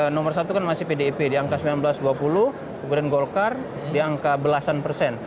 nomor satu kan masih pdip di angka sembilan belas dua puluh kemudian golkar di angka belasan persen